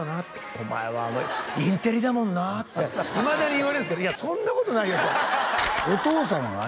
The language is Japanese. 「お前はインテリだもんな」っていまだに言われるんですけどいやそんなことないよとお父さんは何？